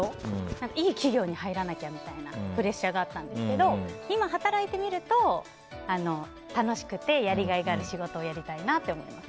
いい企業に入らなきゃみたいなプレッシャーがあったんですけど今、働いてみると楽しくてやりがいがある仕事をやりたいなって思います。